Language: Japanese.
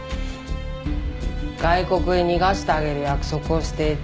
外国へ逃がしてあげる約束をしていた。